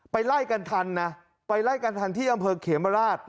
ไล่กันทันนะไปไล่กันทันที่อำเภอเขมราช